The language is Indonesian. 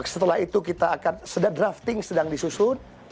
setelah itu kita akan sudah drafting sedang disusun